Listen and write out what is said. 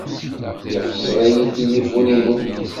Ixṣer-iyi tilifun-inu.